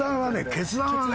決断はね